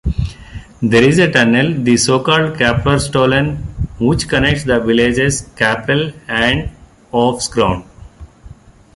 There is a tunnel, the so-called Kapplerstollen, which connects the villages Kappel and Hofsgrund.